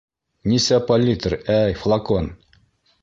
Нисә поллитр, әй, флакон?